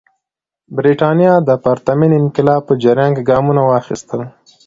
برېټانیا د پرتمین انقلاب په جریان کې ګامونه واخیستل.